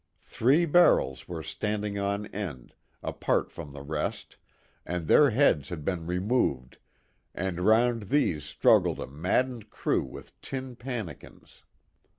Three barrels were standing on end, apart from the rest, and their heads had been removed, and round these struggled a maddened crew with tin pannikins.